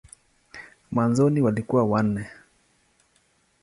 Mwanzoni walikuwa wanne.